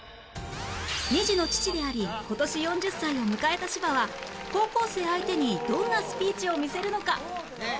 ２児の父であり今年４０歳を迎えた芝は高校生相手にどんなスピーチを見せるのか？